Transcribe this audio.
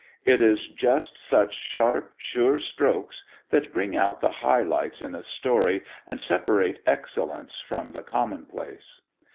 It is just such sharp, sure strokes that bring out the high lights in a story and separate excellence from the commonplace.